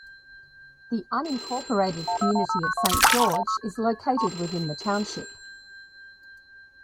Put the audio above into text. The unincorporated community of Saint George is located within the township.